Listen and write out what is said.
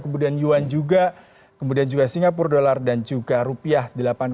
kemudian yuan juga kemudian juga singapura dollar dan juga rupiah